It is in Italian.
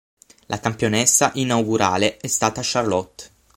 La campionessa inaugurale è stata Charlotte.